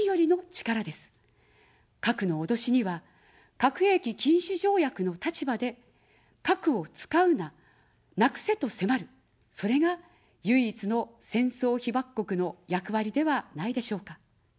核の脅しには、核兵器禁止条約の立場で、核を使うな、なくせと迫る、それが唯一の戦争被爆国の役割ではないでしょうか。